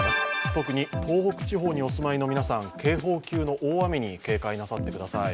特に東北地方にお住まいの皆さん、警報級の大雨に警戒なさってください。